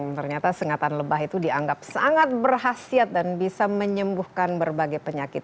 ternyata sengatan lebah itu dianggap sangat berhasil dan bisa menyembuhkan berbagai penyakit